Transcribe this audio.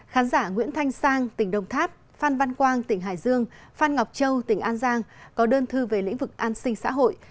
khán giả nguyễn thanh sang tỉnh đồng tháp phan văn quang tỉnh hải dương phan ngọc châu tỉnh an giang có đơn thư về lĩnh vực an sinh xã hội